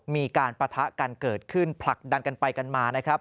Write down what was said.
ปะทะกันเกิดขึ้นผลักดันกันไปกันมานะครับ